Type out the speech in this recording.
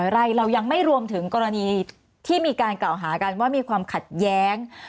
ไร่เรายังไม่รวมถึงกรณีที่มีการกล่าวหากันว่ามีความขัดแย้ง